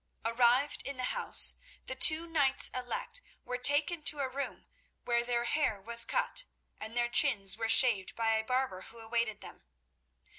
Arrived in the house, the two knights elect were taken to a room where their hair was cut and their chins were shaved by a barber who awaited them.